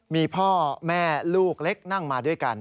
มีพ่อแม่ลูกเล็กนั่งมาด้วยกัน